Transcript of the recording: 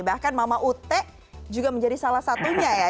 bahkan mama ut juga menjadi salah satunya ya